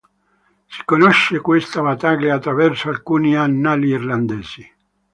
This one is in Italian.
Si conosce questa battaglia attraverso alcuni annali irlandesi.